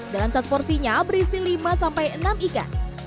dalam satu porsinya berisi lima sampai enam ikan